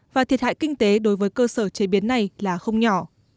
và thiệt hại kinh tế đối với cơ sở chế biến này là không nhỏ